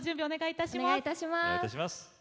お願いいたします。